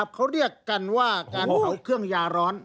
เขาเรียกกันว่าการเผาเครื่องยาร้อน